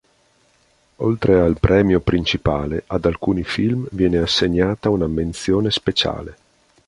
Oltre al premio principale, ad alcuni film viene assegnata una menzione speciale.